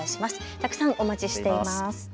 たくさんお待ちしています。